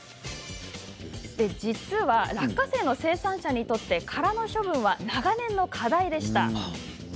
実は落花生の生産者にとって殻の処分は長年の課題でした。